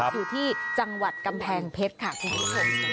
อยู่ที่จังหวัดกำแพงเพชรค่ะคุณผู้ชม